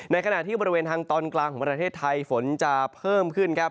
ขณะที่บริเวณทางตอนกลางของประเทศไทยฝนจะเพิ่มขึ้นครับ